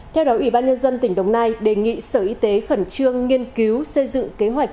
theo đó ủy ban nhân dân tỉnh đồng nai đề nghị sở y tế khẩn trương nghiên cứu xây dựng kế hoạch